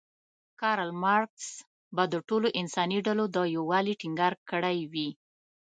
کارل مارکس به د ټولو انساني ډلو د یووالي ټینګار کړی وی.